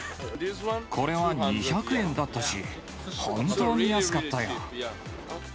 これは２００円だったし、本当に安かったよ。